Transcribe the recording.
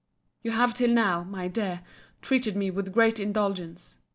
—— You have till now, my dear, treated me with great indulgence.